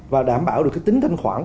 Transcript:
và đảm bảo được tính thanh khoản